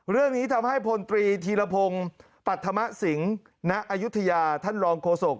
เรื่องนี้ทำให้พลตรีธีรพงศ์ปัธมะสิงณอายุทยาท่านรองโฆษก